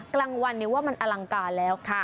กลางวันมันอลังกาลแล้วค่ะ